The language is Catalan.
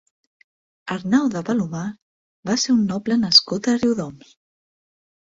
Arnau de Palomar va ser un noble nascut a Riudoms.